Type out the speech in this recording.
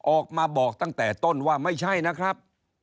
ออกมาบอกตั้งแต่ต้นว่าไม่ใช่นะครับ